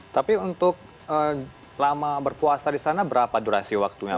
tapi untuk lama berpuasa di sana berapa durasi waktunya